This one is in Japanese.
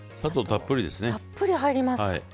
たっぷり入ります。